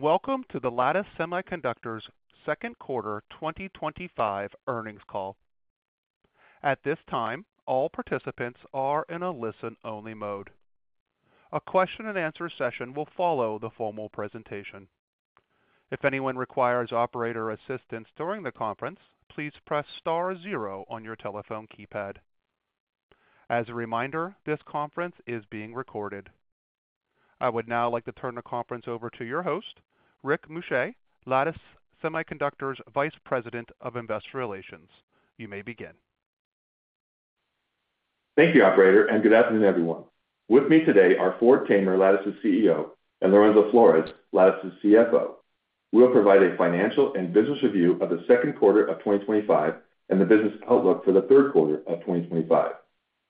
Welcome to Lattice Semiconductor's Second Quarter 2025 Earnings Call. At this time, all participants are in a listen-only mode. A question-and-answer session will follow the formal presentation. If anyone requires operator assistance during the conference, please press star zero on your telephone keypad. As a reminder, this conference is being recorded. I would now like to turn the conference over to your host, Rick Muscha, Lattice Semiconductor's Vice President of Investor Relations. You may begin. Thank you, operator, and good afternoon, everyone. With me today are Ford Tamer, Lattice's CEO, and Lorenzo Flores, Lattice's CFO. We'll provide a financial and business review of the second quarter of 2025, and the business outlook for the third quarter of 2025.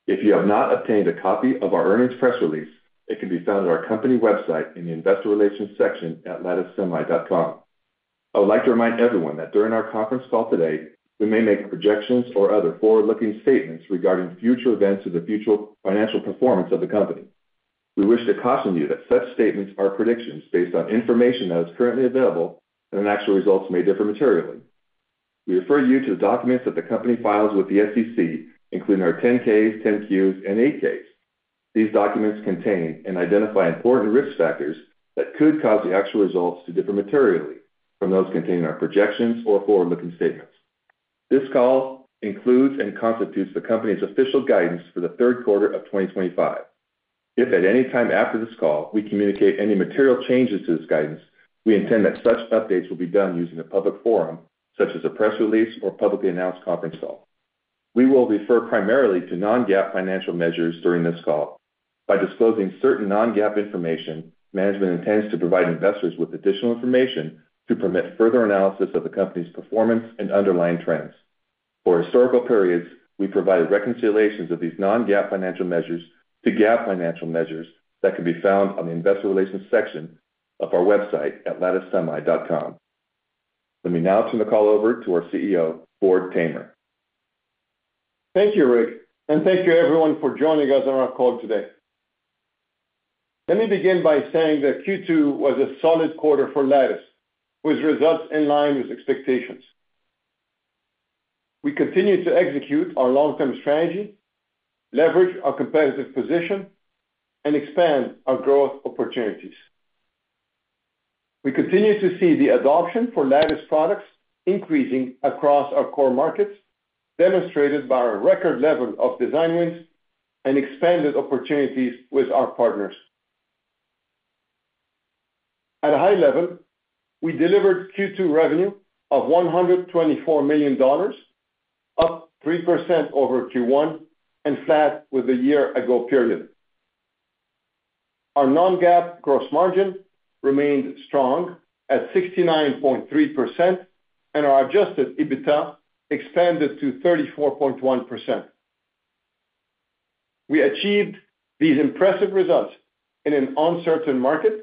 If you have not obtained a copy of our earnings press release, it can be found on our company website in the Investor Relations section at latticesemi.com. I would like to remind everyone that during our conference call today, we may make projections or other forward-looking statements regarding future events in the future financial performance of the company. We wish to caution you that such statements are predictions based on information that is currently available, and actual results may differ materially. We refer you to the documents that the company files with the SEC, including our 10-Ks, 10-Qs, and 8-Ks. These documents contain and identify important risk factors that could cause the actual results to differ materially from those contained in our projections or forward-looking statements. This call includes and constitutes the company's official guidance for the third quarter of 2025. If at any time after this call we communicate any material changes to this guidance, we intend that such updates will be done using a public forum, such as a press release or publicly announced conference call. We will refer primarily to non-GAAP financial measures during this call. By disclosing certain non-GAAP information, management intends to provide investors with additional information to permit further analysis of the company's performance and underlying trends. For historical periods, we provide reconciliations of these non-GAAP financial measures to GAAP financial measures, that can be found on the Investor Relations section of our website at latticesemi.com. Let me now turn the call over to our CEO, Ford Tamer. Thank you, Rick. Thank you, everyone for joining us on our call today. Let me begin by saying that Q2 was a solid quarter for Lattice, with results in line with expectations. We continue to execute our long-term strategy, leverage our competitive position and expand our growth opportunities. We continue to see the adoption for Lattice products increasing across our core markets, demonstrated by our record level of design wins and expanded opportunities with our partners. At a high level, we delivered Q2 revenue of $124 million, up 3% over Q1 and flat with the year-ago period. Our non-GAAP gross margin remained strong, at 69.3% and our adjusted EBITDA expanded to 34.1%. We achieved these impressive results in an uncertain market,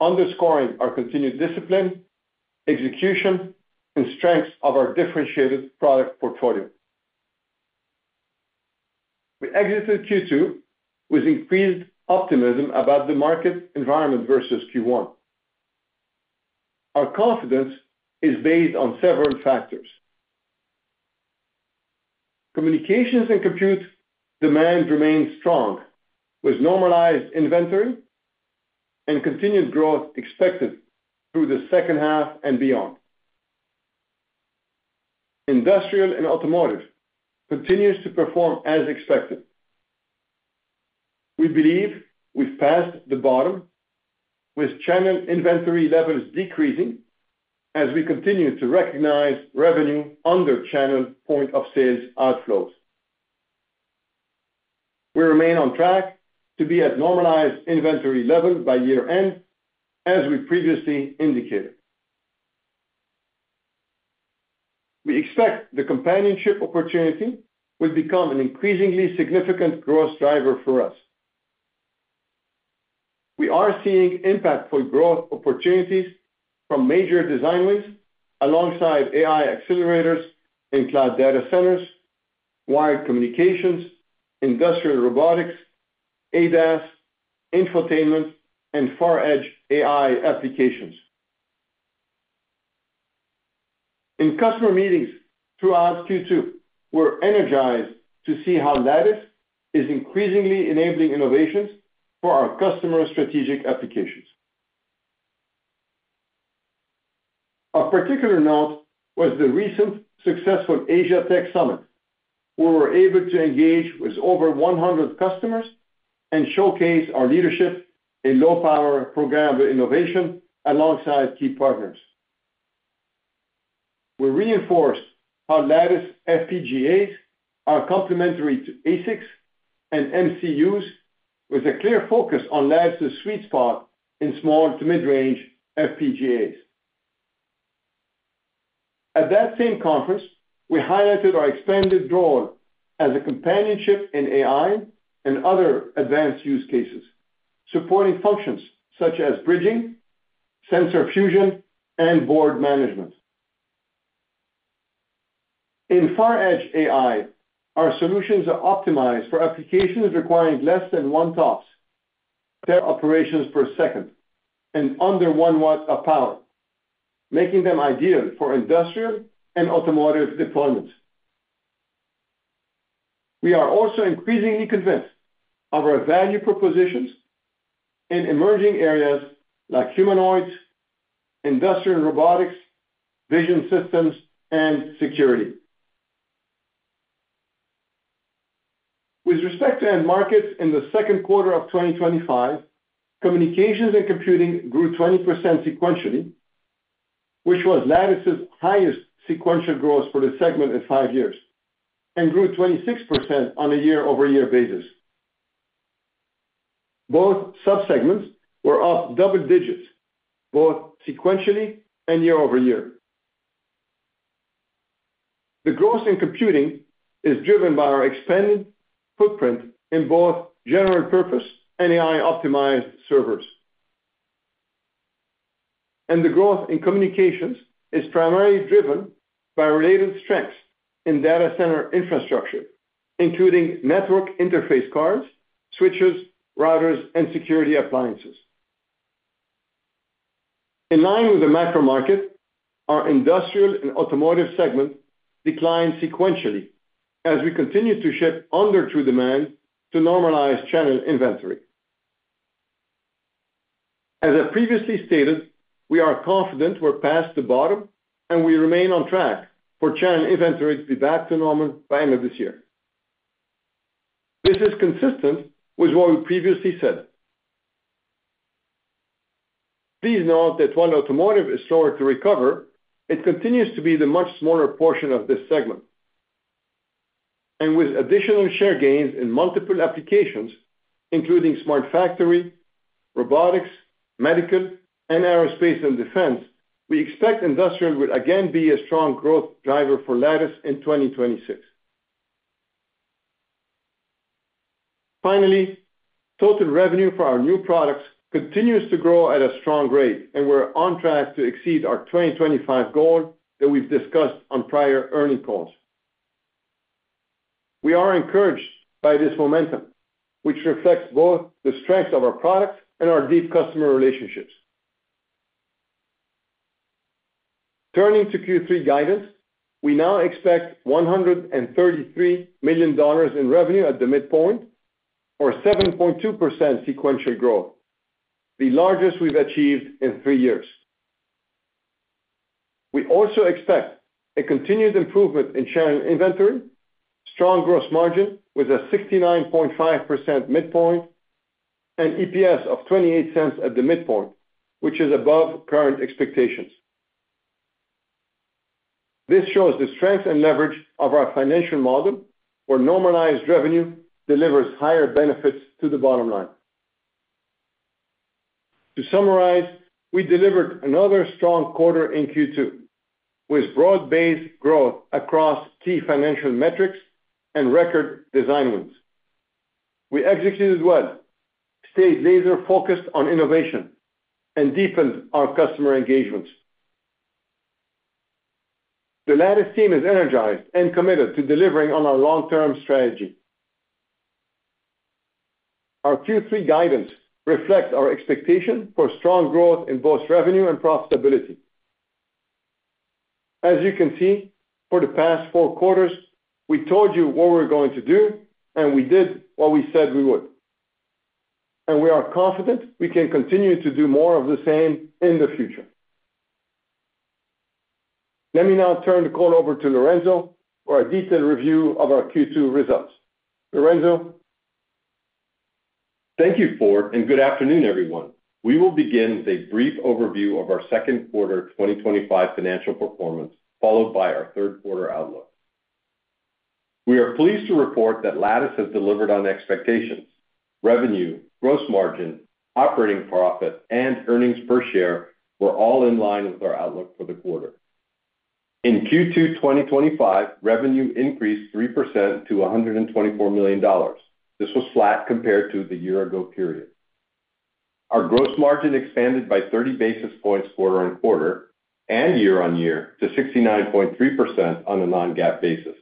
underscoring our continued discipline, execution and strength of our differentiated product portfolio. We exited Q2 with increased optimism about the market environment versus Q1. Our confidence is based on several factors. Communications and compute demand remains strong, with normalized inventory and continued growth expected through the second half and beyond. Industrial and automotive continue to perform as expected. We believe we've passed the bottom, with channel inventory levels decreasing as we continue to recognize revenue under channel point of sales outflows. We remain on track to be at normalized inventory level by year-end, as we previously indicated. We expect the companionship opportunity will become an increasingly significant growth driver for us. We are seeing impactful growth opportunities from major design wins, alongside AI accelerators in cloud data centers, wired communications, industrial robotics, ADAS, infotainment, and far-edge AI applications. In customer meetings throughout Q2, we're energized to see how Lattice is increasingly enabling innovations for our customer strategic applications. Of particular note was the recent successful Asia Tech Summit, where we were able to engage with over 100 customers and showcase our leadership in low-power programmable innovation alongside key partners. We reinforced how Lattice FPGAs are complementary to ASICs and MCUs, with a clear focus on Lattice's sweet spot in small to mid-range FPGAs. At that same conference, we highlighted our expanded role as a companionship in AI and other advanced use cases, supporting functions such as bridging, sensor fusion, and board management. In far-edge AI, our solutions are optimized for applications requiring less than one Tops, 10 operations per second, and under 1W of power, making them ideal for industrial and automotive deployments. We are also increasingly convinced of our value propositions in emerging areas like humanoids, industrial robotics, vision systems, and security. With respect to end markets in the second quarter of 2025, communications and computing grew 20% sequentially, which was Lattice's highest sequential growth for the segment in five years, and grew 26% on a year-over-year basis. Both subsegments were off double digits, both sequentially and year-over-year. The growth in computing is driven by our expanded footprint in both general-purpose and AI-optimized servers. The growth in communications is primarily driven by related strengths in data center infrastructure, including network interface cards, switches, routers, and security appliances. In line with the macro market, our industrial and automotive segments decline sequentially as we continue to shift under true demand to normalize channel inventory. As I previously stated, we are confident we're past the bottom and we remain on track for channel inventory to be back to normal by the end of this year. This is consistent with what we previously said. Please note that while automotive is slower to recover, it continues to be the much smaller portion of this segment. With additional share gains in multiple applications, including smart factory, robotics, medical and aerospace, and defense, we expect industrial will again be a strong growth driver for Lattice in 2026. Finally, total revenue for our new products continues to grow at a strong rate, and we're on track to exceed our 2025 goal that we've discussed on prior earnings calls. We are encouraged by this momentum, which reflects both the strengths of our products and our deep customer relationships. Turning to Q3 guidance, we now expect $133 million in revenue at the midpoint, or 7.2% sequential growth, the largest we've achieved in three years. We also expect a continued improvement in channel inventory, strong gross margin, with a 69.5% midpoint and EPS of $0.28 at the midpoint, which is above current expectations. This shows the strength and leverage of our financial model, where normalized revenue delivers higher benefits to the bottom line. To summarize, we delivered another strong quarter in Q2, with broad-based growth across key financial metrics and record design wins. We executed well, stayed laser-focused on innovation and deepened our customer engagements. The Lattice team is energized and committed to delivering on our long-term strategy. Our Q3 guidance reflects our expectation for strong growth in both revenue and profitability. As you can see, for the past four quarters, we told you what we're going to do and we did what we said we would. We are confident we can continue to do more of the same in the future. Let me now turn the call over to Lorenzo for a detailed review of our Q2 results. Lorenzo. Thank you, Ford. Good afternoon, everyone. We will begin with a brief overview of our second quarter 2025 financial performance, followed by our third quarter outlook. We are pleased to report that Lattice has delivered on expectations, revenue, gross margin, operating profit, and earnings per share were all in line with our outlook for the quarter. In Q2 2025, revenue increased 3% to $124 million. This was flat compared to the year-ago period. Our gross margin expanded by 30 basis points quarter-on-quarter and year-on-year to 69.3% on a non-GAAP basis.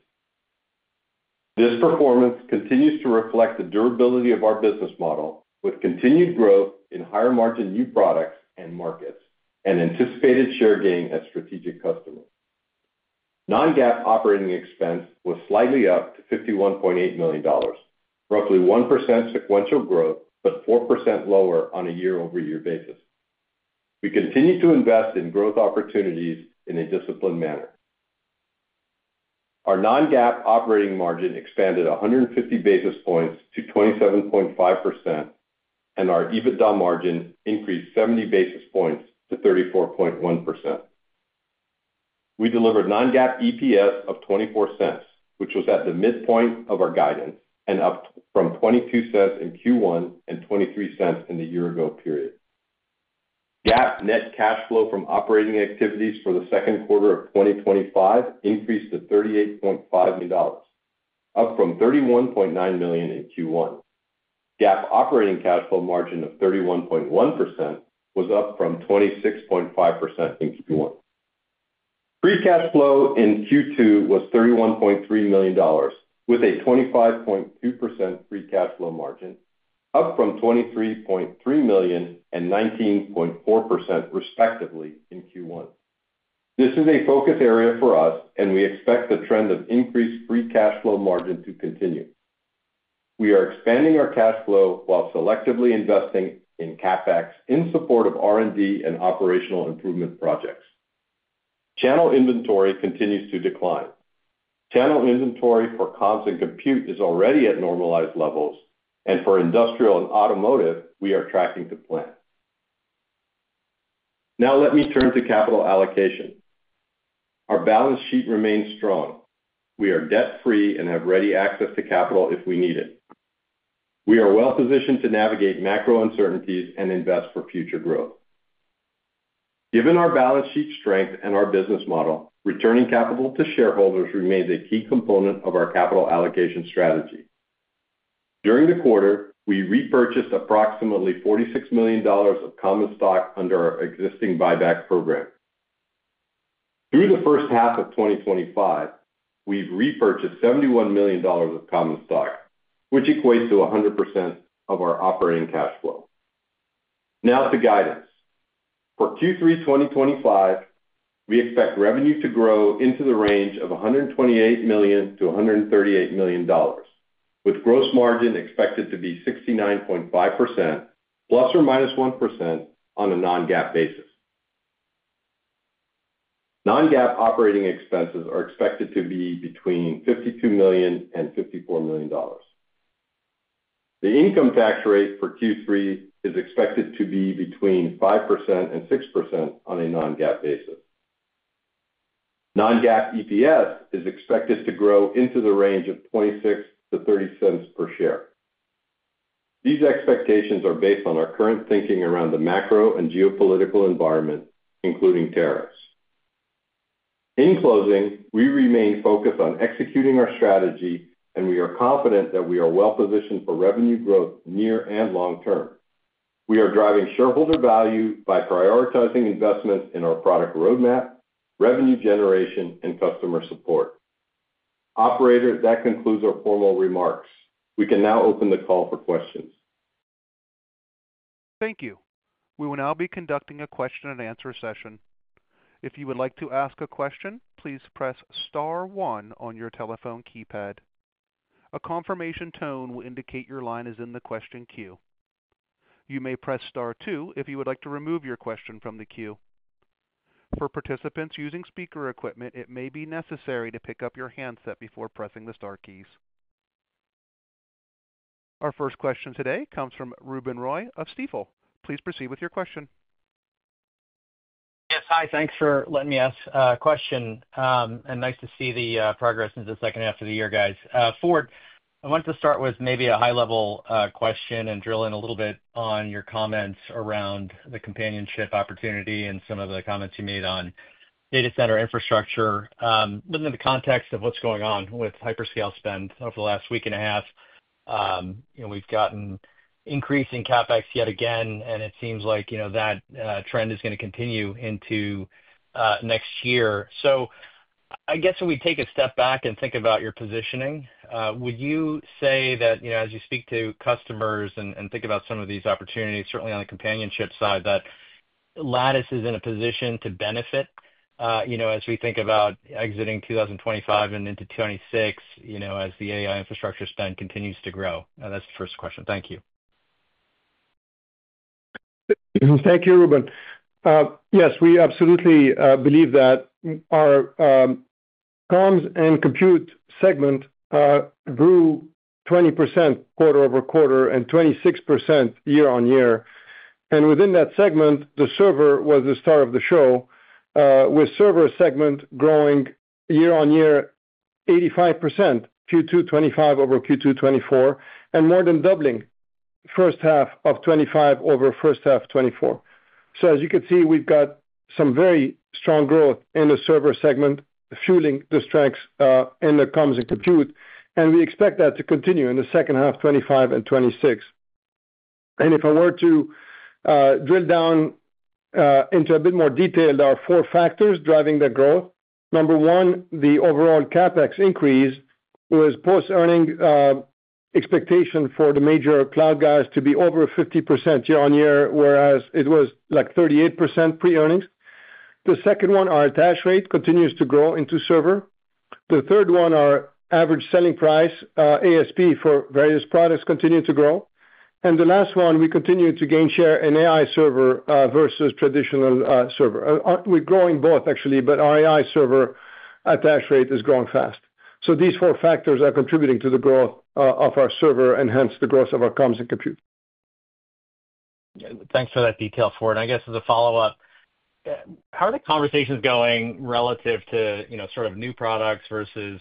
This performance continues to reflect the durability of our business model, with continued growth in higher margin new products and markets, and anticipated share gain at strategic customers. Non-GAAP operating expense was slightly up to $51.8 million, roughly 1% sequential growth, but 4% lower on a year-over-year basis. We continue to invest in growth opportunities in a disciplined manner. Our non-GAAP operating margin expanded 150 basis points to 27.5%, and our EBITDA margin increased 70 basis points to 34.1%. We delivered non-GAAP EPS of $0.24, which was at the midpoint of our guidance and up from $0.22 in Q1 and $0.23 in the year-ago period. GAAP net cash flow from operating activities for the second quarter of 2025 increased to $38.5 million, up from $31.9 million in Q1. GAAP operating cash flow margin of 31.1% was up from 26.5% in Q1. Free cash flow in Q2 was $31.3 million, with a 25.2% free cash flow margin, up from $23.3 million and 19.4% respectively in Q1. This is a focus area for us, and we expect the trend of increased free cash flow margin to continue. We are expanding our cash flow, while selectively investing in CAPEX in support of R&D and operational improvement projects. Channel inventory continues to decline. Channel inventory for comms and compute is already at normalized levels, and for industrial and automotive, we are tracking to plan. Now let me turn to capital allocation. Our balance sheet remains strong. We are debt-free and have ready access to capital if we need it. We are well-positioned to navigate macro uncertainties and invest for future growth. Given our balance sheet strength and our business model, returning capital to shareholders remains a key component of our capital allocation strategy. During the quarter, we repurchased approximately $46 million of common stock under our existing buyback program. Through the first half of 2025, we've repurchased $71 million of common stock, which equates to 100% of our operating cash flow. Now to guidance. For Q3 2025, we expect revenue to grow into the range of $128 million-$138 million, with gross margin expected to be 69.5%, ±1% on a non-GAAP basis. Non-GAAP operating expenses are expected to be between $52 million and $54 million. The income tax rate for Q3 is expected to be between 5% and 6% on a non-GAAP basis. Non-GAAP EPS is expected to grow into the range of $0.06-$0.30 per share. These expectations are based on our current thinking around the macro and geopolitical environment, including tariffs. In closing, we remain focused on executing our strategy, and we are confident that we are well-positioned for revenue growth near and long term. We are driving shareholder value by prioritizing investments in our product roadmap, revenue generation, and customer support. Operator, that concludes our formal remarks. We can now open the call for questions. Thank you. We will now be conducting a question-and answer session. If you would like to ask a question, please press star one on your telephone keypad. A confirmation tone will indicate your line is in the question queue. You may press star two if you would like to remove your question from the queue. For participants using speaker equipment, it may be necessary to pick up your handset before pressing the star keys. Our first question today comes from Ruben Roy of Stifel. Please proceed with your question. Yes, hi. Thanks for letting me ask a question, and nice to see the progress in the second half of the year, guys. Ford, I want to start with maybe a high-level question, and drill in a little bit on your comments around the companionship opportunity and some of the comments you made on data center infrastructure. Within the context of what's going on with hyperscale spend over the last week and a half, we've gotten increasing CapEx yet again and it seems like that trend is going to continue into next year. I guess when we take a step back and think about your positioning, would you say that, as you speak to customers and think about some of these opportunities, certainly on the companionship side, that Lattice is in a position to benefit as we think about exiting 2025 and into 2026, as the AI infrastructure spend continues to grow? That's the first question. Thank you. Thank you, Ruben. Yes, we absolutely believe that our comms and compute segment grew 20% quarter-over-quarter and 26% year-on-year. Within that segment, the server was the star of the show, with server segment growing year-on-year 85%, Q2 2025 over Q2 2024, and more than doubling first half of 2025 over first half 2024. As you can see, we've got some very strong growth in the server segment, fueling the strengths in the comms and compute, and we expect that to continue in the second half 2025 and 2026. If I were to drill down into a bit more detail, there are four factors driving that growth. Number one, the overall CapEx increase, with post-earning expectation for the major cloud guys to be over 50% year-on-year, whereas it was like 38% pre-earnings. The second one, our attach rate continues to grow into server. The third one, our average selling price, ASP for various products, continues to grow. The last one, we continue to gain share in AI server versus traditional server. We're growing both actually, but our AI server attach rate is growing fast. These four factors are contributing to the growth of our server, and hence the growth of our comms and compute. Thanks for that detail, Ford. I guess as a follow-up, how are the conversations going relative to you know, sort of new products versus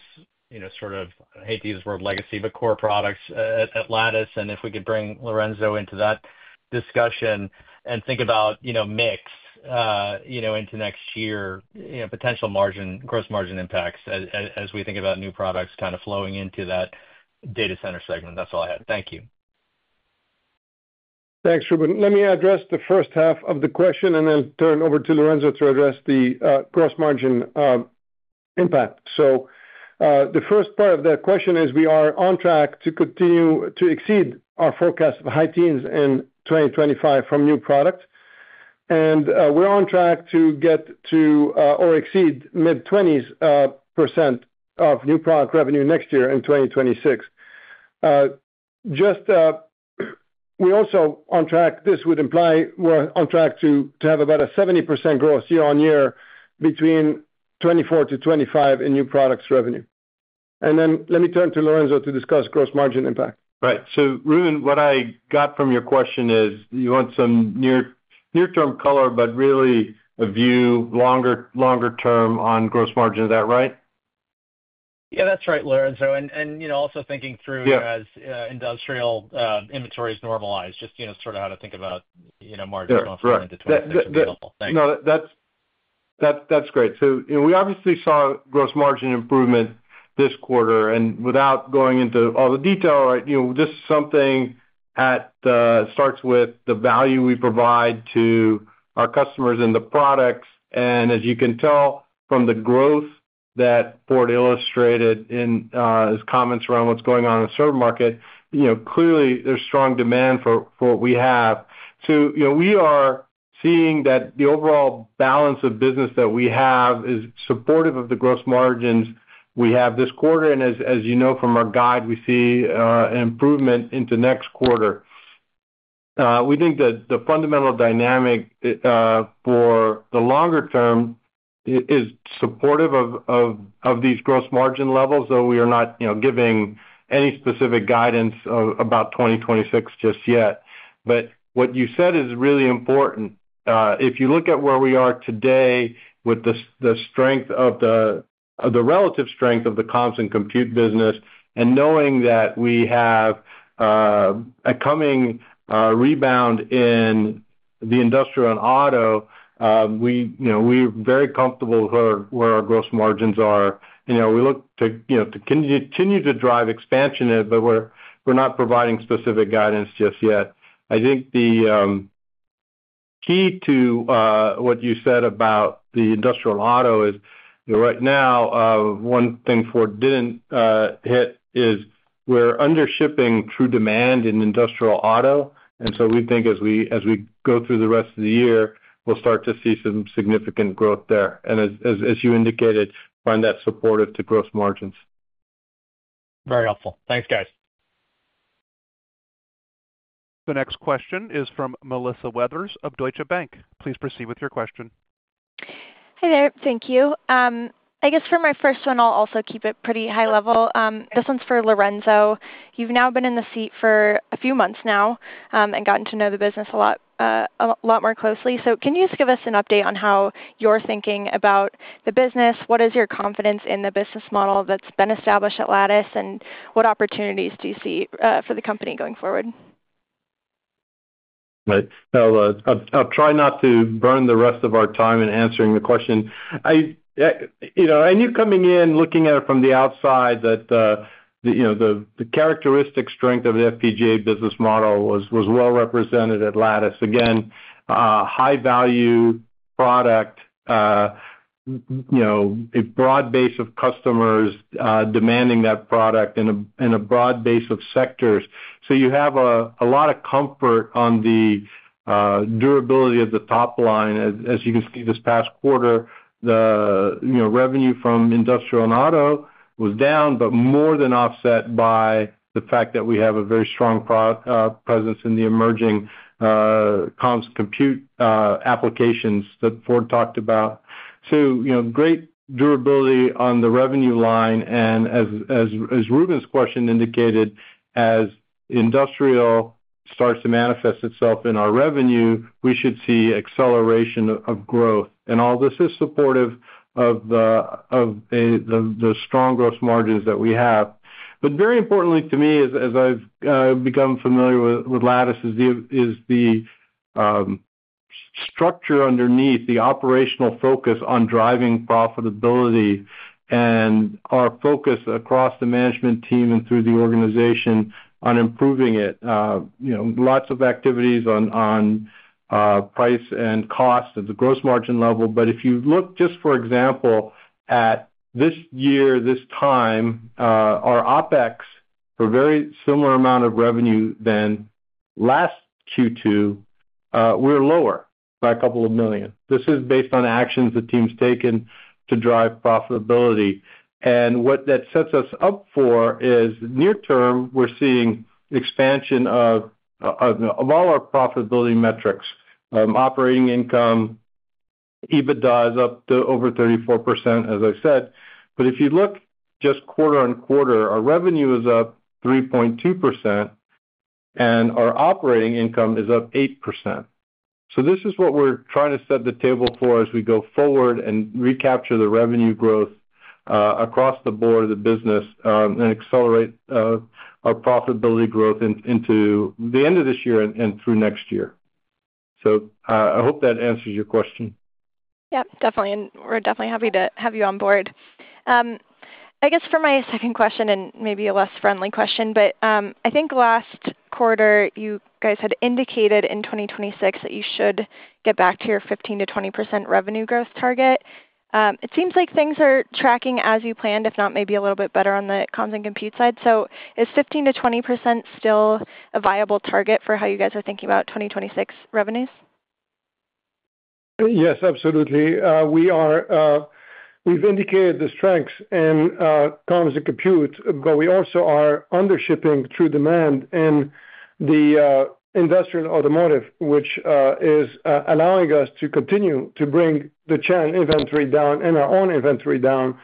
sort of, I hate to use the word legacy, but core products at Lattice? If we could bring Lorenzo into that discussion and think about mix you know, into next year and potential gross margin impacts as we think about new products kind of flowing into that data center segment. That's all I had. Thank you. Thanks, Ruben. Let me address the first half of the question, and then turn over to Lorenzo to address the gross margin impact. The first part of that question is, we are on track to continue to exceed our forecast of high teens in 2025 from new products. We're on track to get to or exceed mid-20s % of new product revenue next year in 2026. We're also on track, this would imply we're on track to have about a 70% growth year-on-year, between 2024-2025 in new products revenue. Let me turn to Lorenzo to discuss gross margin impact. Right. Reuben, what I got from your question is, you want some near-term color, but really a view longer-term on gross margin. Is that right? Yeah. That's right, Lorenzo. Also, thinking through as industrial inventory is normalized, just how to think about margins going forward into. Right. No, that's great. We obviously saw gross margin improvement this quarter, and without going into all the detail, this is something that starts with the value we provide to our customers and the products. As you can tell from the growth that Ford illustrated in his comments around what's going on in the server market, clearly there's strong demand for what we have. We are seeing that the overall balance of business that we have is supportive of the gross margins we have this quarter. As you know from our guide, we see an improvement into next quarter. We think that the fundamental dynamic for the longer term is supportive of these gross margin levels, though we are not giving any specific guidance about 2026 just yet. What you said is really important. If you look at where we are today with the relative strength of the comms and compute business, and knowing that we have a coming rebound in the industrial and auto, we're very comfortable with where our gross margins are. We look to continue to drive expansion in it, but we're not providing specific guidance just yet. I think the key to what you said about the industrial auto is, right now one thing Ford didn't hit is, we're under shipping true demand in industrial auto. We think as we go through the rest of the year, we'll start to see some significant growth there and as you indicated, find that support to gross margins. Very helpful. Thanks, guys. The next question is from Melissa Weathers of Deutsche Bank. Please proceed with your question. Hi, there. Thank you. I guess for my first one, I'll also keep it pretty high level. This one's for Lorenzo. You've now been in the seat for a few months now, and gotten to know the business a lot more closely. Can you just give us an update on how you're thinking about the business? What is your confidence in the business model that's been established at Lattice? What opportunities do you see for the company going forward? Right. I'll try not to burn the rest of our time in answering the question. I knew coming in, looking at it from the outside, that the characteristic strength of the FPGA business model was well represented at Lattice. Again, a high-value product, a broad base of customers demanding that product in a broad base of sectors. You have a lot of comfort on the durability of the top line. As you can see, this past quarter, revenue from industrial and auto was down, but more than offset by the fact that we have a very strong product presence in the emerging comms compute applications that Ford talked about. Great durability on the revenue line. As Ruben's question indicated, as the industrial starts to manifest itself in our revenue, we should see acceleration of growth. All this is supportive of the strong gross margins that we have. Very importantly to me, as I've become familiar with Lattice, is the structure underneath, the operational focus on driving profitability, and our focus across the management team and through the organization, on improving it. Lots of activities on price and cost at the gross margin level. If you look just, for example, at this year, this time, our OpEx for a very similar amount of revenue than last Q2, were lower by a couple of million. This is based on actions the team's taken to drive profitability. What that sets us up for is near term, we're seeing an expansion of all our profitability metrics. Operating income, EBITDA is up to over 34%, as I said. If you look just quarter-on-quarter, our revenue is up 3.2% and our operating income is up 8%. This is what we're trying to set the table for as we go forward, and recapture the revenue growth across the board of the business and accelerate our profitability growth into the end of this year and through next year. I hope that answers your question. Yeah, definitely. We're definitely happy to have you on board. I guess for my second question, and maybe a less friendly question, but I think last quarter, you guys had indicated in 2026 that you should get back to your 15%-20% revenue growth target. It seems like things are tracking as you planned, if not maybe a little bit better on the comms and compute side. Is 15%-20% still a viable target for how you guys are thinking about 2026 revenues? Yes, absolutely. We've indicated the strengths in comms and compute, but we also are under-shipping true demand in the industrial and automotive, which is allowing us to continue to bring the channel inventory down and our own inventory down.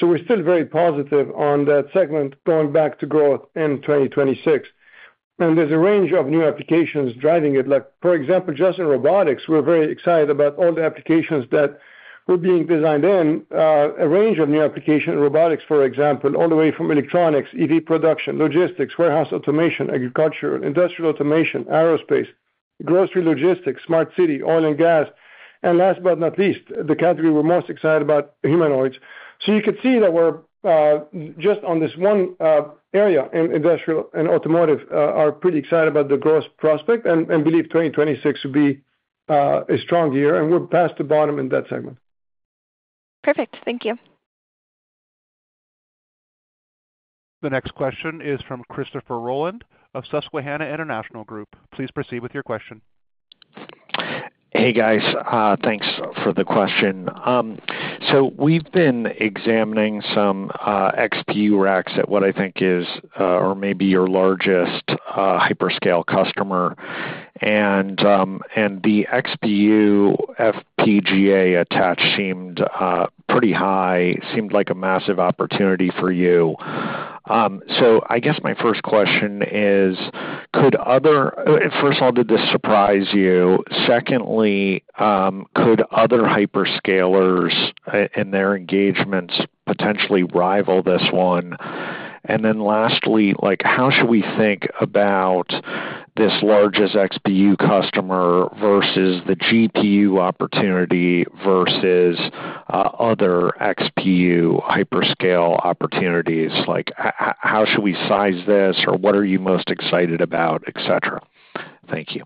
We're still very positive on that segment going back to growth in 2026. There's a range of new applications driving it. For example, just in robotics, we're very excited about all the applications that we're being designed in. A range of new applications in robotics, for example, all the way from electronics, EV production, logistics, warehouse automation, agriculture, industrial automation, aerospace, grocery logistics, smart city, oil and gas and last but not least, the category we're most excited about, humanoids. You could see that we, just on this one area in industrial and automotive, are pretty excited about the growth prospect and believe 2026 will be a strong year and we're past the bottom in that segment. Perfect. Thank you. The next question is from Christopher Rolland of Susquehanna International Group. Please proceed with your question. Hey, guys. Thanks for the question. We've been examining some XPU racks at what I think is, or maybe your largest hyperscale customer. The XPU FPGA attach seemed pretty high, seemed like a massive opportunity for you. I guess my first question is, first of all, did this surprise you? Secondly, could other hyperscalers in their engagements potentially rival this one? Lastly, how should we think about this largest XPU customer versus the GPU opportunity, versus other XPU hyperscale opportunities? How should we size this, or what are you most excited about, etc? Thank you.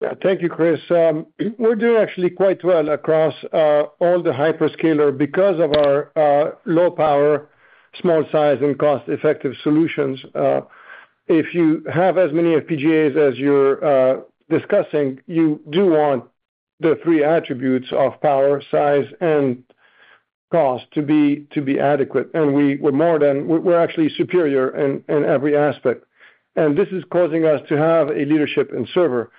Yea. Thank you, Chris. We're doing actually quite well across all the hyperscalers because of our low power, small size, and cost-effective solutions. If you have as many FPGAs as you're discussing, you do want the three attributes of power, size, and cost to be adequate. We're actually superior in every aspect. This is causing us to have a leadership in server.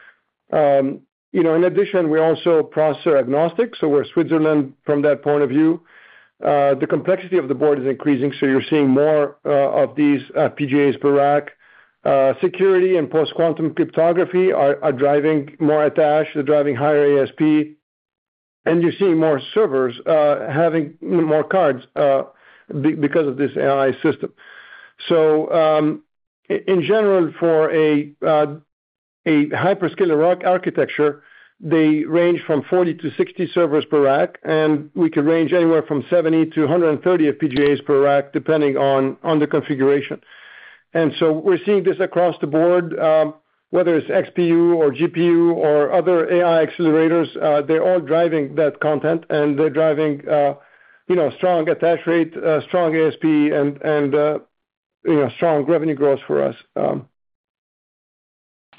In addition, we're also processor agnostic, so we're Switzerland from that point of view. The complexity of the board is increasing, so you're seeing more of these FPGAs per rack. Security and post-quantum cryptography are driving more attach, they're driving higher ASP and you're seeing more servers having more cards because of this AI system. In general, for a hyperscaler rack architecture, they range from 40 servers-60 servers per rack, and we can range anywhere from 70-130 FPGAs per rack, depending on the configuration. We're seeing this across the board, whether it's XPU or GPU or other AI accelerators, they're all driving that content, and they're driving strong attach rate, strong ASP, and strong revenue growth for us.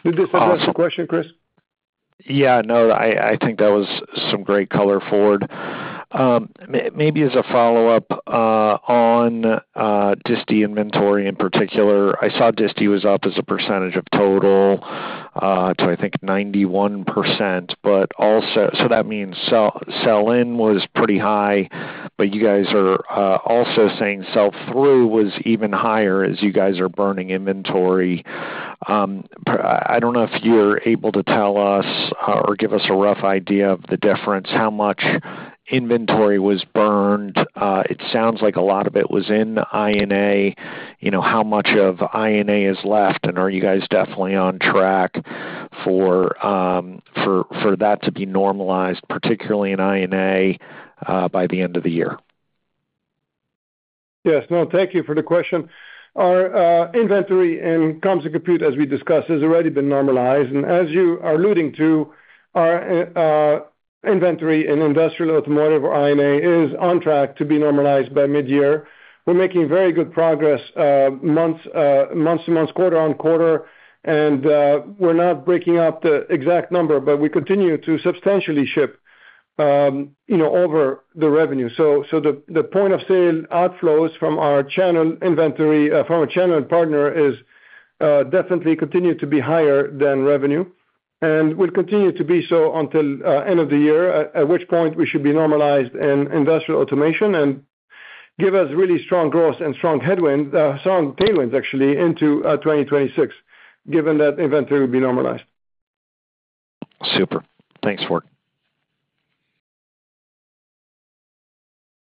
Did this address the question, Chris? Yeah. No, I think that was some great color, Ford. Maybe as a follow-up on DISTI inventory in particular, I saw DISTI was up as a percentage of total, to I think 91%. That means sell-in was pretty high, but you guys are also saying sell-through was even higher as you guys are burning inventory. I don't know if you are able to tell us or give us a rough idea of the difference, how much inventory was burned? It sounds like a lot of it was in INA. You know, how much of INA is left, and are you guys definitely on track for that to be normalized, particularly in INA by the end of the year? Yes. No, thank you for the question. Our inventory in comms and compute, as we discussed, has already been normalized. As you are alluding to, our inventory in industrial automotive or INA is on track to be normalized by mid-year. We're making very good progress month to month, quarter-on-quarter, and we're not breaking up the exact number, but we continue to substantially ship over the revenue. The point-of-sale outflows from our channel inventory from a channel partner is definitely continuing to be higher than revenue. We'll continue to be so until the end of the year, at which point we should be normalized in industrial automation and give us really strong growth and strong tailwinds actually into 2026, given that inventory will be normalized. Super. Thanks, Ford.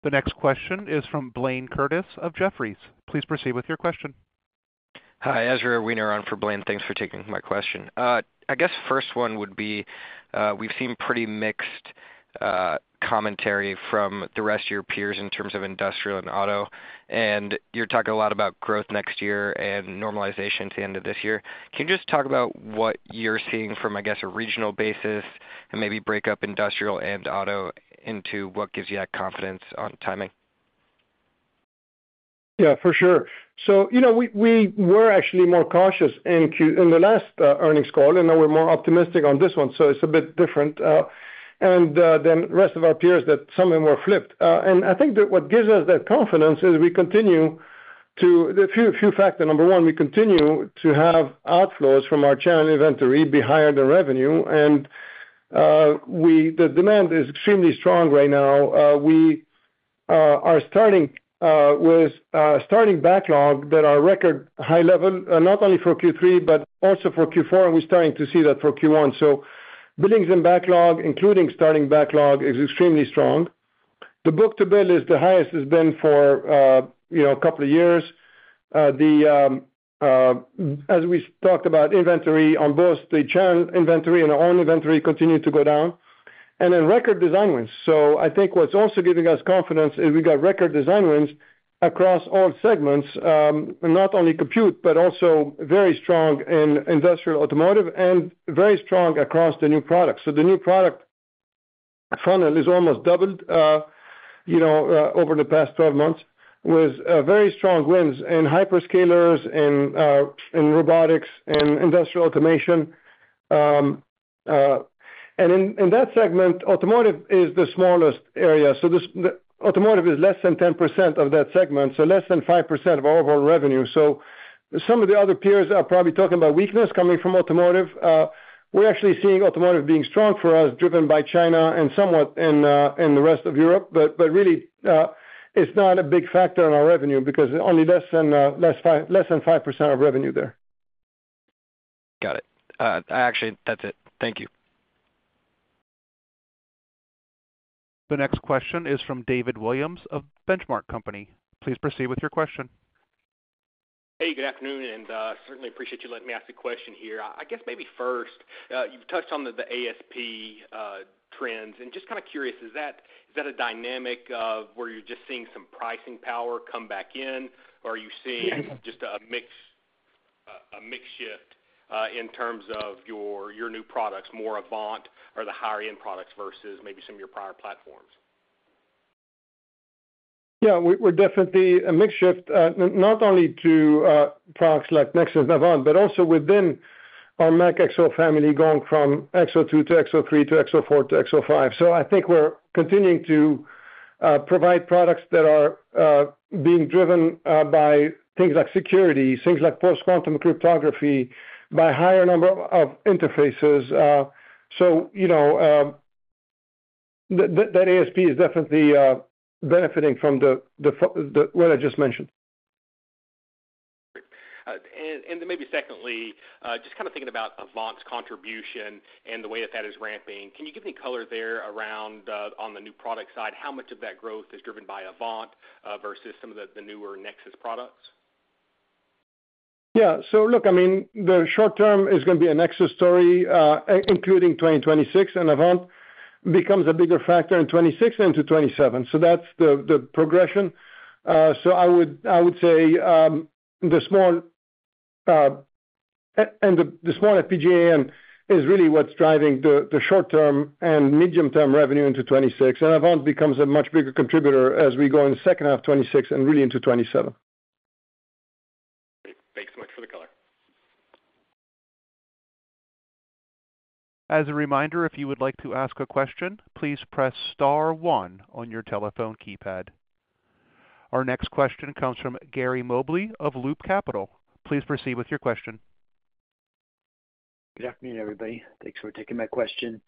The next question is from Blayne Curtis of Jefferies. Please proceed with your question. Hi. Ezra Weener here for Blayne, thanks for taking my question. I guess first one would be, we've seen pretty mixed commentary from the rest of your peers in terms of industrial and auto, and you're talking a lot about growth next year and normalization at the end of this year. Can you just talk about what you're seeing from I guess, a regional basis and maybe break up industrial and auto into what gives you that confidence on timing? Yeah, for sure. We were actually more cautious in the last earnings call, and now we're more optimistic on this one, so it's a bit different. The rest of our peers, some of them were flipped. I think that what gives us that confidence is a few factors. Number one, we continue to have outflows from our channel inventory be higher than revenue, and the demand is extremely strong right now. We are starting backlog at a record high level, not only for Q3, but also for Q4 and we're starting to see that for Q1. Billings and backlog, including starting backlog is extremely strong. The book to bill is the highest it's been for a couple of years. As we've talked about, inventory on both the channel inventory and our own inventory continue to go down. Record design wins I think are also giving us confidence. We've got record design wins across all segments, not only compute, but also very strong in industrial, automotive, and very strong across the new products. The new product funnel has almost doubled over the past 12 months, with very strong wins in hyperscalers and robotics and industrial automation. In that segment, automotive is the smallest area. Automotive is less than 10% of that segment, so less than 5% of our overall revenue. Some of the other peers are probably talking about weakness coming from automotive. We're actually seeing automotive being strong for us, driven by China and somewhat in the rest of Europe, but really, it's not a big factor in our revenue because it's only less than 5% of revenue there. Got it. Actually, that's it. Thank you. The next question is from David Williams of Benchmark Company. Please proceed with your question. Hey, good afternoon, and I certainly appreciate you letting me ask a question here. I guess maybe first, you've touched on the ASP trends. Just kind of curious, is that a dynamic of where you're just seeing some pricing power come back in or are you seeing just a mixed shift in terms of your new products, more Avant or the higher-end products versus maybe some of your prior platforms? Yeah, we're definitely a mixed shift, not only to products like Nexus and Avant, but also within our MachXO family, going from XO2 to XO3 to XO4 to XO5. I think we're continuing to provide products that are being driven by things like security, things like post-quantum cryptography, by a higher number of interfaces. That ASP is definitely benefiting from what I just mentioned. Maybe secondly, just kind of thinking about Avant's contribution and the way that is ramping, can you give me color there around, on the new product side, how much of that growth is driven by Avant versus some of the newer Nexus products? Yeah. Look, I mean, the short term is going to be a Nexus story, including 2026 and Avant becomes a bigger factor in 2026 and into 2027. That's the progression. I would say the small FPGA is really what's driving the short term and medium term revenue into 2026, and Avant becomes a much bigger contributor as we go in the second half of 2026 and really into 2027. Thanks so much for the color. As a reminder, if you would like to ask a question, please press star one on your telephone keypad. Our next question comes from Gary Mobley of Loop Capital. Please proceed with your question. Good afternoon, everybody. Thanks for taking my question.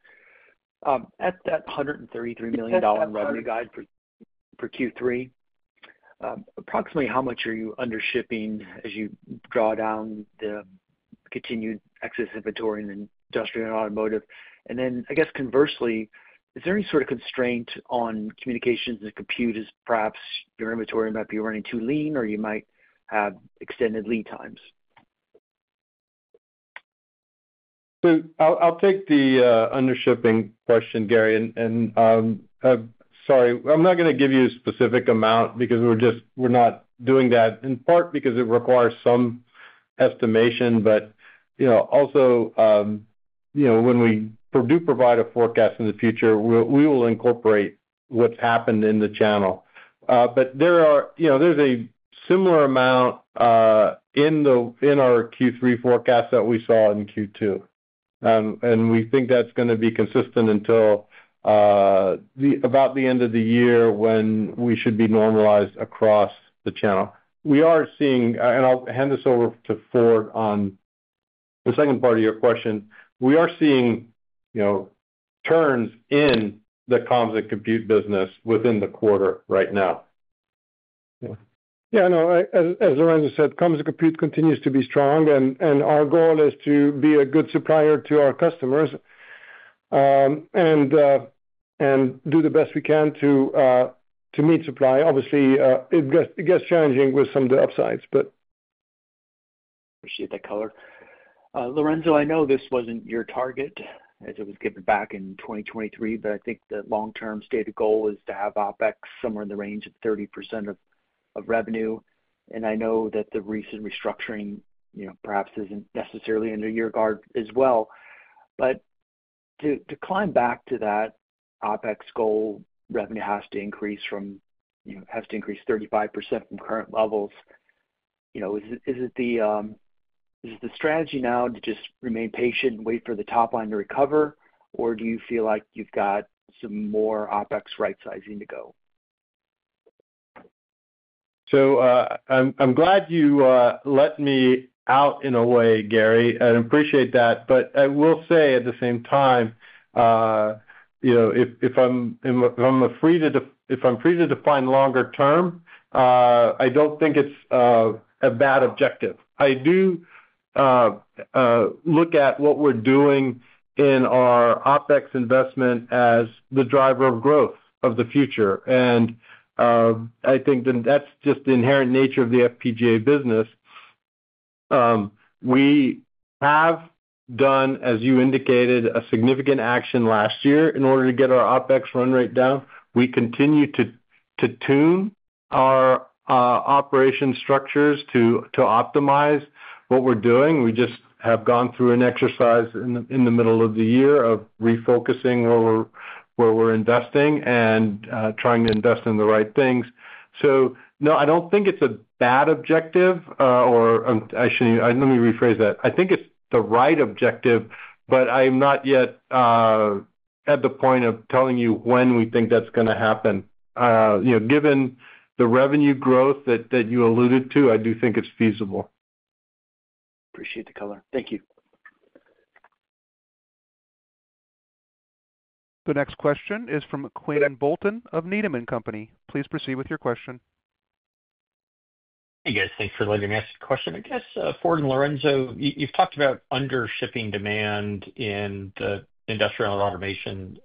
At that $133 million revenue guide for Q3, approximately how much are you under shipping as you draw down the continued excess inventory in industrial and automotive? Conversely, is there any sort of constraint on communications and compute as perhaps your inventory might be running too lean, or you might have extended lead times? I'll take the under shipping question, Gary. I'm sorry, I'm not going to give you a specific amount because we're just not doing that, in part because it requires some estimation. Also, when we do provide a forecast in the future, we will incorporate what's happened in the channel. There is a similar amount in our Q3 forecast that we saw in Q2, and we think that's going to be consistent until about the end of the year when we should be normalized across the channel. I'll hand this over to Ford on the second part of your question, we are seeing turns in the comms and compute business within the quarter right now. Yeah. As Lorenzo said, comms and compute continues to be strong, and our goal is to be a good supplier to our customers and do the best we can to meet supply. Obviously, it gets challenging with some of the upsides. Appreciate that color. Lorenzo, I know this wasn't your target as it was given back in 2023, but I think the long-term stated goal is to have OpEx somewhere in the range of 30% of revenue. I know that the recent restructuring perhaps isn't necessarily in your guard as well. To climb back to that OpEx goal, revenue has to increase 35% from current levels. Is it the strategy now to just remain patient and wait for the top line to recover, or do you feel like you've got some more OpEx rightsizing to go? I'm glad you let me out in a way, Gary, and I appreciate that. I will say at the same time, if I'm free to define longer term, I don't think it's a bad objective. I do look at what we're doing in our OpEx investment as the driver of growth of the future. I think that that's just the inherent nature of the FPGA business. We have done, as you indicated, a significant action last year in order to get our OpEx run rate down. We continue to tune our operation structures to optimize what we're doing. We just have gone through an exercise in the middle of the year, of refocusing where we're investing and trying to invest in the right things. No, I don't think it's a bad objective or actually let me rephrase that. I think it's the right objective, but I'm not yet at the point of telling you when we think that's going to happen. Given the revenue growth that you alluded to, I do think it's feasible. Appreciate the color. Thank you. The next question is from Quinn Bolton of Needham & Company. Please proceed with your question. Hey, guys. Thanks for letting me ask a question. I guess, Ford and Lorenzo, you've talked about under shipping demand in the industrial and automation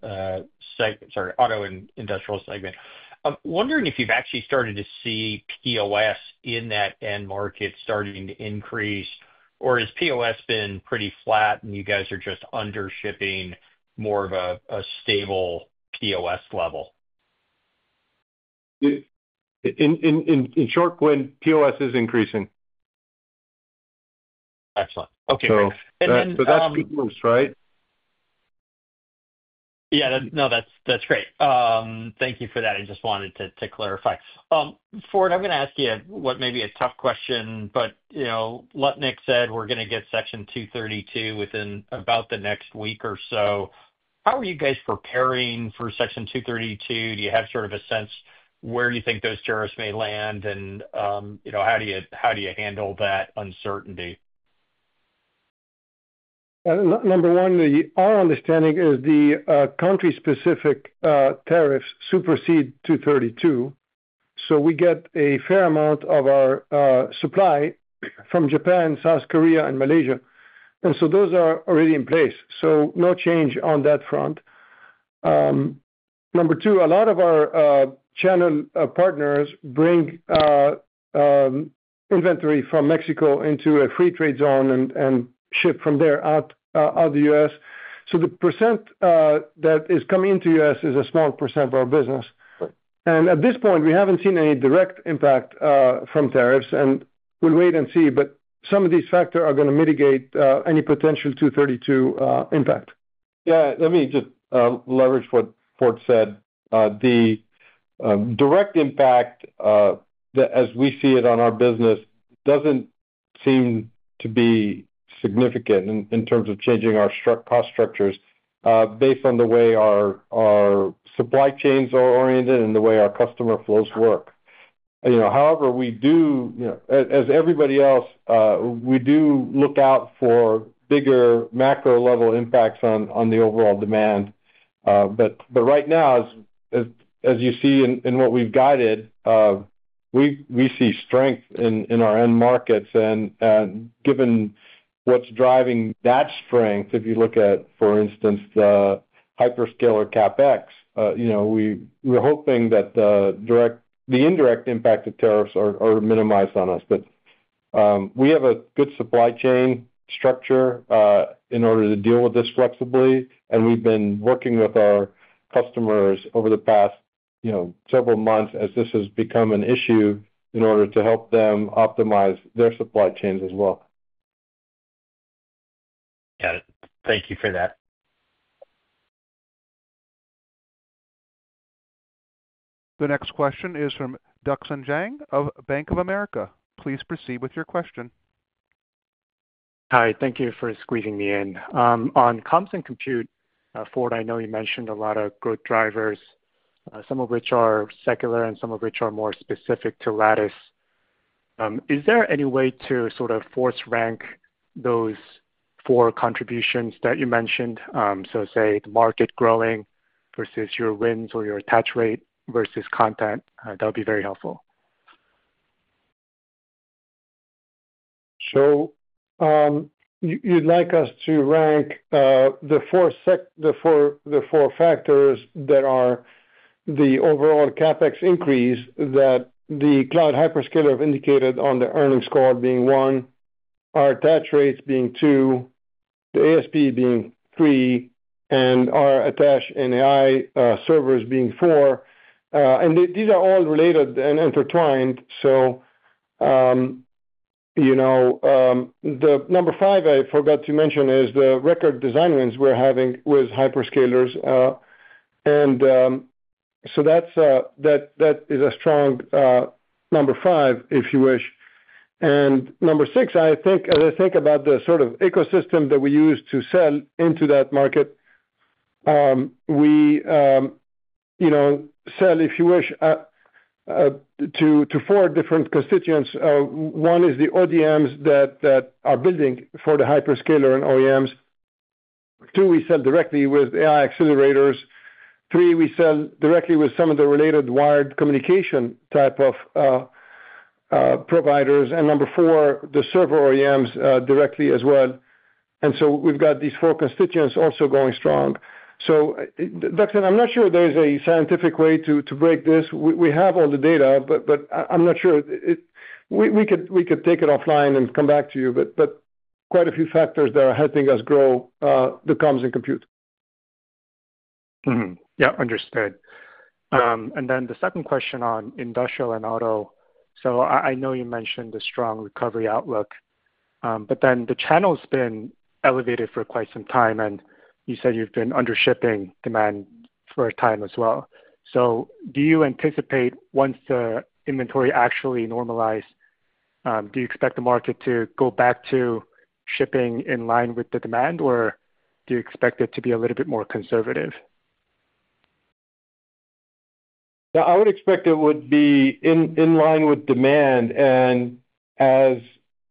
segment. I'm wondering if you've actually started to see POS in that end market starting to increase, or has POS been pretty flat and you guys are just under-shipping more of a stable POS level? In short, Quinn, POS is increasing. Excellent, okay. Thanks. That's good news, right? Yeah. No, that's great. Thank you for that. I just wanted to clarify. Ford, I'm going to ask you what may be a tough question, but you know, Lutnick said we're going to get Section 232 within about the next week or so. How are you guys preparing for Section 232? Do you have a sense where you think those tariffs may land, and how do you handle that uncertainty? Number one, our understanding is, the country-specific tariffs supersede 232. We get a fair amount of our supply from Japan, South Korea, and Malaysia, and so those are already in place, so change on that front. Number two, a lot of our channel partners bring inventory from Mexico into a free trade zone and ship from there out of the U.S., so the percent that is coming into the U.S. is a small percent of our business. At this point, we haven't seen any direct impact from tariffs, and we'll wait and see, but some of these factors are going to mitigate any potential 232 impact. Yeah. Let me just leverage what Ford said. The direct impact, as we see it on our business, doesn't seem to be significant in terms of changing our cost structures, based on the way our supply chains are oriented and the way our customer flows work. However, as everybody else, we do look out for bigger macro-level impacts on the overall demand. Right now, as you see in what we've guided, we see strength in our end markets. Given what's driving that strength, if you look at, for instance, the hyperscaler CapEx, we're hoping that the indirect impact of tariffs are minimized on us. We have a good supply chain structure in order to deal with this flexibly, and we've been working with our customers over the past several months, as this has become an issue, in order to help them optimize their supply chains as well. Got it. Thank you for that. The next question is from Duksan Jang of Bank of America. Please proceed with your question. Hi, thank you for squeezing me in. On comms and compute, Ford, I know you mentioned a lot of growth drivers, some of which are secular and some of which are more specific to Lattice. Is there any way to sort of force rank those four contributions that you mentioned? Say the market growing versus your wins, or your attach rate versus content, that would be very helpful. You'd like us to rank the four factors that are the overall CapEx increase that the cloud hyperscalers have indicated on the earnings call being one, our attach rates being two, the ASP being three, and our attach in AI servers being four. These are all related and intertwined. The number five I forgot to mention is the record design wins we're having with hyperscalers, and that is a strong number five, if you wish. Number six, as I think about the sort of ecosystem that we use to sell into that market, we sell, if you wish, to four different constituents. One is the ODMs that are building for the hyperscaler and OEMs. Two, we sell directly with AI accelerators. Three, we sell directly with some of the related wired communication type of providers. Number four, the server OEMs directly as well. We've got these four constituents also going strong. Duksan, I'm not sure there is a scientific way to break this. We have all the data, but I'm not sure. We could take it offline and come back to you, but quite a few factors are helping us grow the comms and compute. Yeah, understood. The second question on industrial and auto, I know you mentioned the strong recovery outlook, but then the channel's been elevated for quite some time and you said you've been under-shipping demand for a time as well. Once the inventory actually normalizes, do you expect the market to go back to shipping in line with the demand, or do you expect it to be a little bit more conservative? I would expect it would be in line with demand. As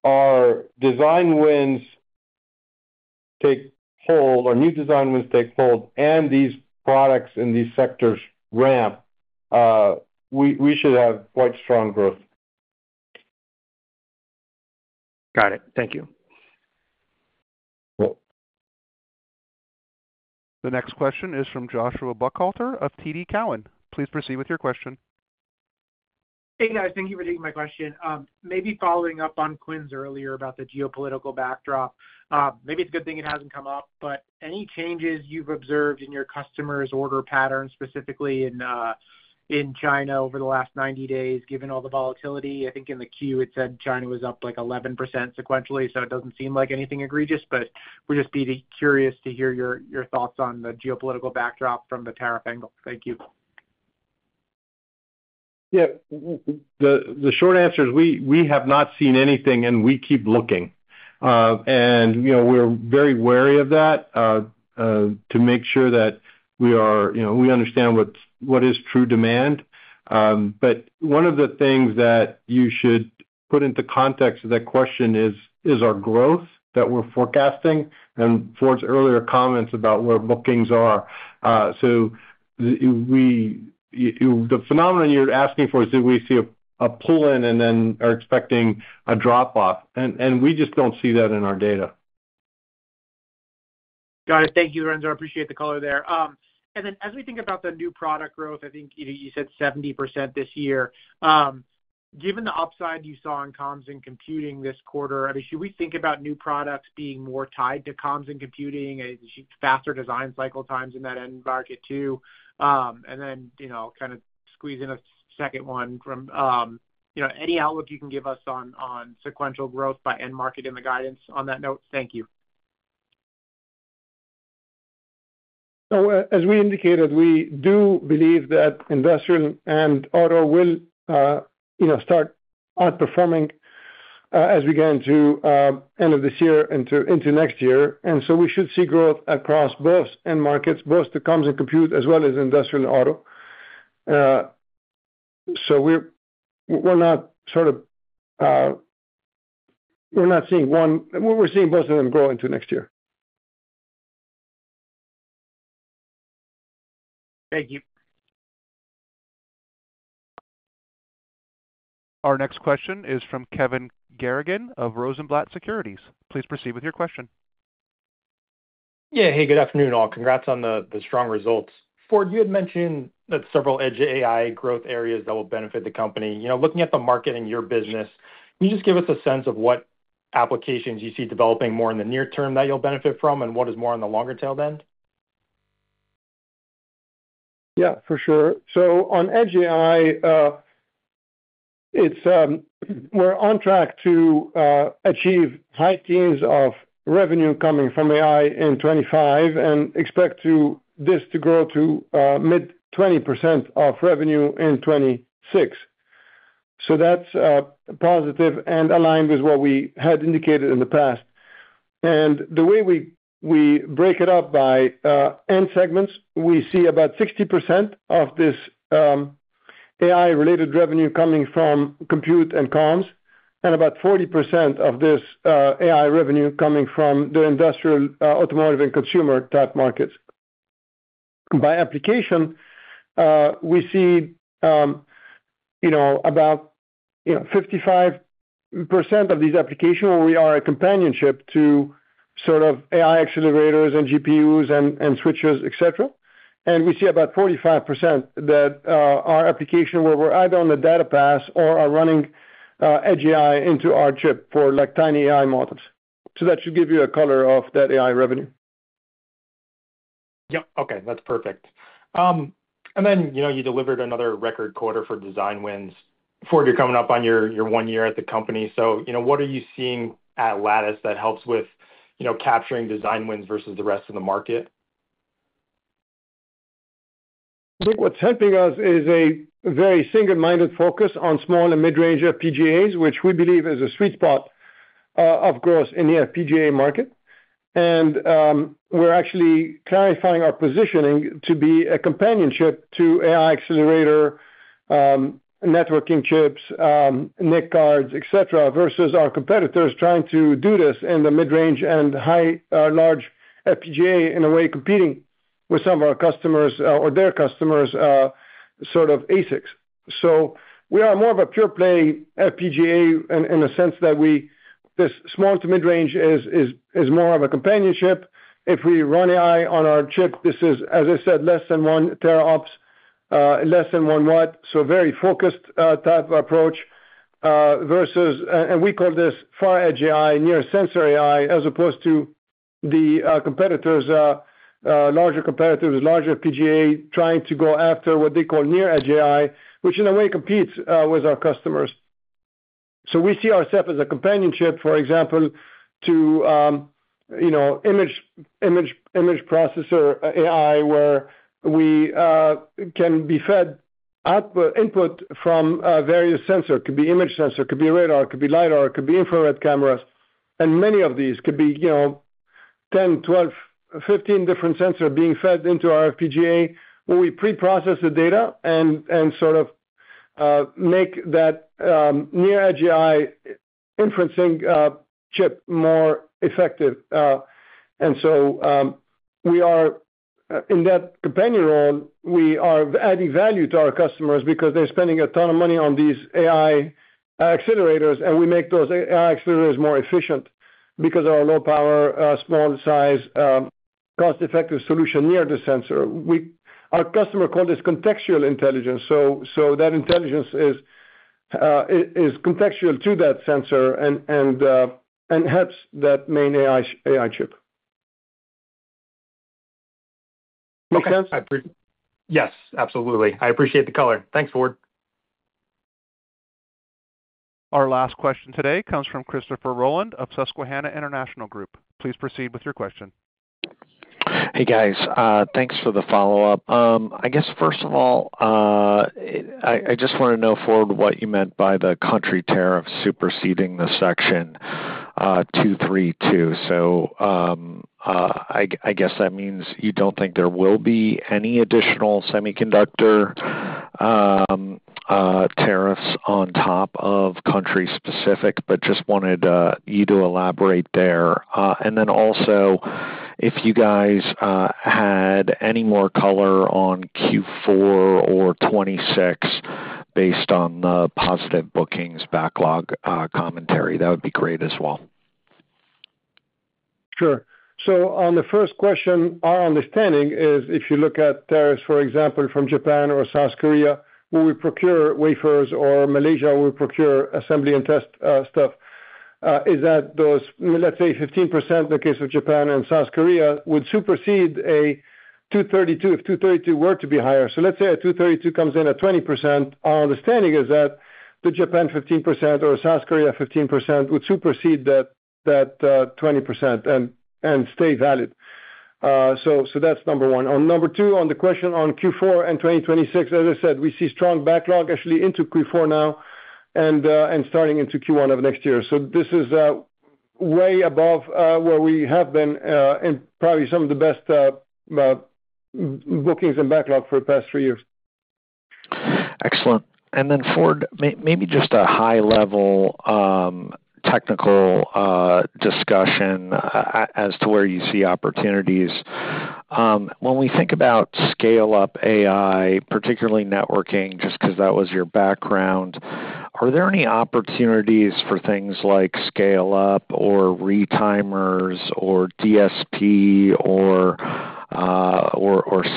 our new design wins take hold and these products in these sectors ramp, we should have quite strong growth. Got it. Thank you. The next question is from Joshua Buchalter of TD Cowen. Please proceed with your question. Hey, guys. Thank you for taking my question. Maybe following up on Quinn's earlier about the geopolitical backdrop, maybe it's a good thing it hasn't come up, but any changes you've observed in your customers' order patterns, specifically in China over the last 90 days, given all the volatility? I think in the queue, it said China was up like 11% sequentially, so it doesn't seem like anything egregious, but we're just curious to hear your thoughts on the geopolitical backdrop from the tariff angle. Thank you. Yeah, the short answer is we have not seen anything, and we keep looking. We are very wary of that, to make sure that now, we understand what is true demand. One of the things that you should put into context of that question is our growth that we're forecasting, and Ford's earlier comments about where bookings are. The phenomenon you're asking for is, do we see a pull-in and then are we expecting a drop-off? We just don't see that in our data. Got it. Thank you, Lorenzo. I appreciate the color there. As we think about the new product growth, I think you said 70% this year. Given the upside you saw in comms and computing this quarter, should we think about new products being more tied to comms and computing? Should faster design cycle times in that end market too? Squeezing in a second one, any outlook you can give us on sequential growth by end market in the guidance on that note? Thank you. As we indicated, we do believe that industrial and auto will start outperforming as we get into the end of this year, into next year. We should see growth across both end markets, both the comms and compute as well as industrial and auto. We're not seeing one, we're seeing both of them grow into next year. Thank you. Our next question is from Kevin Garrigan of Rosenblatt Securities. Please proceed with your question. Yeah, hey. Good afternoon, all. Congrats on the strong results. Ford, you had mentioned that several edge AI growth areas that will benefit the company. You know, looking at the market and your business, can you just give us a sense of what applications you see developing more in the near term that you'll benefit from, and what is more on the longer tail end? Yeah, for sure. On edge AI, we're on track to achieve high teens of revenue coming from AI in 2025, and expect this to grow to mid 20% of revenue in 2026. That's positive and aligned with what we had indicated in the past. The way we break it up by end segments, we see about 60% of this AI-related revenue coming from compute and comms, and about 40% of this AI revenue coming from the industrial, automotive, and consumer type markets. By application, we see about 55% of these applications where we are a companion to sort of AI accelerators and GPUs and switches, etc. We see about 45% that are applications where we're either on the data pass or are running edge AI into our chip for tiny AI models. That should give you a color of that AI revenue. Yeah. Okay, that's perfect. You delivered another record quarter for design wins. Ford, you're coming up on your one year at the company. What are you seeing at Lattice that helps with capturing design wins versus the rest of the market? I think what's helping us is a very single-minded focus on small and mid-range FPGAs, which we believe is a sweet spot of growth in the FPGA market. We're actually clarifying our positioning to be a companion to AI accelerator networking chips, NIC cards, etc, versus our competitors trying to do this in the mid-range and high or large FPGA, in a way competing with some of our customers or their customers' sort of ASICs. We are more of a pure play FPGA in the sense that this small to mid-range is more of a companion. If we run AI on our chip, this is, as I said, less than one tera ops, less than 1W. A very focused type of approach, and we call this far-edge AI, near sensor AI, as opposed to the larger competitors, larger FPGA, trying to go after what they call near edge AI, which in a way competes with our customers. We see ourselves as a companion, for example, to image processor AI, where we can be fed input from various sensors. It could be image sensors, it could be radar, it could be LiDAR, it could be infrared cameras. Many of these could be 10, 12, 15 different sensors being fed into our FPGA, where we pre-process the data and make that near-edge AI inferencing chip more effective. In that companion role, we are adding value to our customers because they're spending a ton of money on these AI accelerators, and we make those AI accelerators more efficient because of our low power, small size, cost-effective solution near the sensor. Our customer called this contextual intelligence. That intelligence is contextual to that sensor and helps that main AI chip. Makes sense? Yes, absolutely. I appreciate the color. Thanks, Ford. Our last question today comes from Christopher Rolland of Susquehanna International Group. Please proceed with your question. Hey guys, thanks for the follow-up. I guess first of all, I just want to know, Ford, what you meant by the country tariffs superseding the Section 232. I guess that means you don't think there will be any additional semiconductor tariffs on top of country-specific, but just wanted you to elaborate there. If you guys had any more color on Q4 or 2026 based on the positive bookings backlog commentary, that would be great as well. Sure. On the first question, our understanding is, if you look at tariffs, for example, from Japan or South Korea, where we procure wafers or Malaysia, where we procure assembly and test stuff, those, let's say, 15% in the case of Japan and South Korea, would supersede a Section 232, if Section 232 were to be higher. Let's say a 232 comes in at 20%, our understanding is that the Japan 15% or South Korea 15% would supersede that 20% and stay valid. That's number one. Number two, on the question on Q4 and 2026, as I said, we see strong backlog actually into Q4 now and starting into Q1 of next year. This is way above where we have been in probably some of the best bookings and backlogs for the past three years. Excellent. Ford, maybe just a high-level technical discussion as to where you see opportunities. When we think about scale-up AI, particularly networking, just because that was your background, are there any opportunities for things like scale-up or retimers or DST, or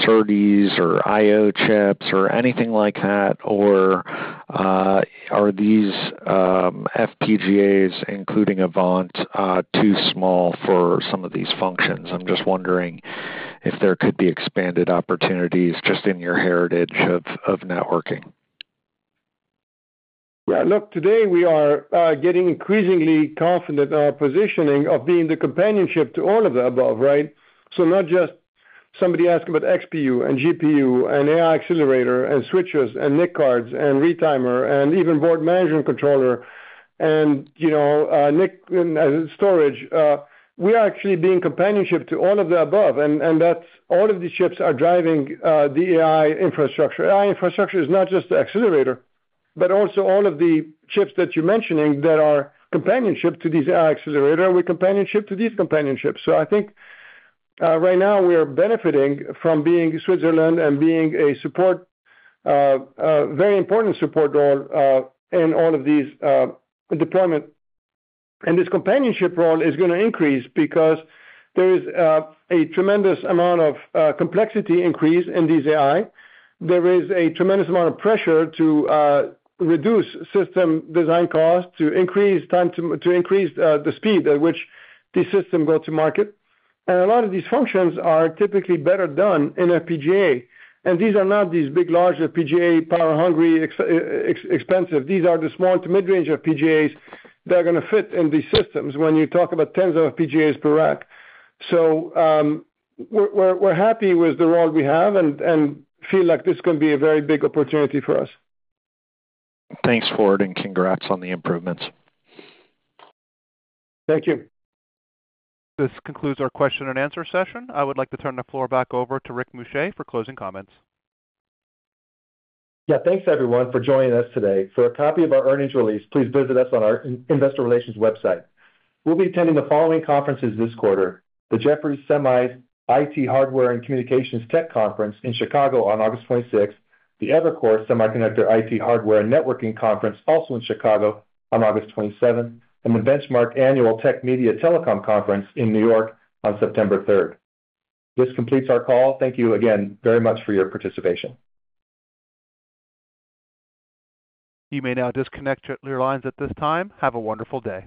SERDES or IO chips or anything like that or are these FPGAs, including Avant, too small for some of these functions? I'm just wondering if there could be expanded opportunities just in your heritage of networking. Yeah, look, today we are getting increasingly confident in our positioning of being the companion to all of the above, right? Not just somebody asking about XPU and GPU and AI accelerators, and switches and NIC cards and retimer, and even board management controller and storage. We are actually being a companionship to all of the above, and all of the chips are driving the AI infrastructure. AI infrastructure is not just the accelerator, but also all of the chips that you're mentioning that are companionship to these AI accelerators and we're companionship to these companionships. I think right now we are benefiting from being Switzerland, and being a very important support role in all of these deployments. This companion role is going to increase because there is a tremendous amount of complexity increase in these AI. There is a tremendous amount of pressure to reduce system design costs, to increase time, to increase the speed at which these systems go to market. A lot of these functions are typically better done in FPGA. These are not these big, large FPGA, power-hungry, expensive. These are the small to mid-range FPGAs that are going to fit in these systems when you talk about tens of FPGAs per rack. We're happy with the role we have, and feel like this is going to be a very big opportunity for us. Thanks, Ford, and congrats on the improvements. Thank you. This concludes our question-and-answer session. I would like to turn the floor back over to Rick Muscha for closing comments. Yeah, thanks everyone for joining us today. For a copy of our earnings release, please visit us on our investor relations website. We'll be attending the following conferences this quarter, the Jefferies Semi-IT Hardware & Communications Tech Conference in Chicago on August 26th, the Evercore Semiconductor IT Hardware & Networking Conference also in Chicago on August 27, and the Benchmark Annual Tech Media Telecom Conference in New York on September 3rd. This completes our call. Thank you again very much for your participation. You may now disconnect your lines at this time. Have a wonderful day.